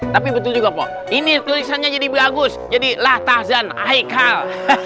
tapi betul juga ini tulisannya jadi bagus jadi latar dan haikal